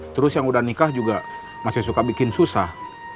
terus yang udah nikah juga masih suka bikin susah